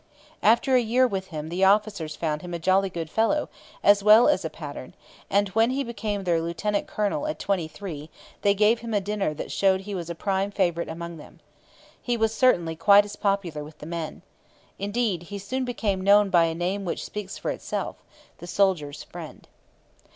After a year with him the officers found him a 'jolly good fellow' as well as a pattern; and when he became their lieutenant colonel at twenty three they gave him a dinner that showed he was a prime favourite among them. He was certainly quite as popular with the men. Indeed, he soon became known by a name which speaks for itself 'the soldier's' friend.'